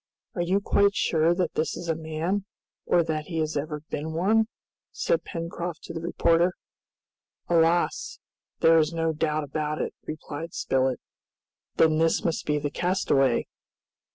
"Are you quite sure that this is a man, or that he has ever been one?" said Pencroft to the reporter. "Alas! there is no doubt about it," replied Spilett. "Then this must be the castaway?"